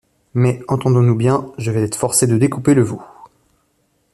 Mais, entendons-nous bien, je vas être forcé de découper le veau.